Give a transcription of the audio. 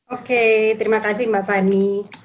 oke terima kasih mbak fani